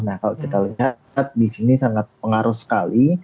nah kalau kita lihat di sini sangat pengaruh sekali